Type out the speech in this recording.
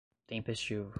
tempestivo